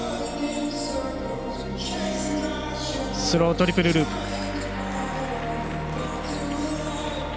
スロートリプルループ。